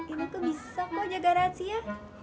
ini kok bisa kok aja garansi ya